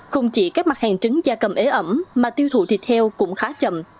không chỉ các mặt hàng trứng da cầm ế ẩm mà tiêu thụ thịt heo cũng khá chậm